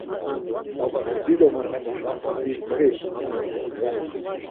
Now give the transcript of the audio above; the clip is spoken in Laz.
Dido maç̌ǩomu, bidzği.